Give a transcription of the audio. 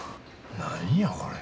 何やこれ。